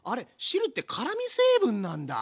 汁って辛味成分なんだ。